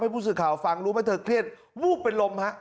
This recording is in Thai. ผู้สื่อข่าวฟังรู้ไหมเธอเครียดวูบเป็นลมฮะ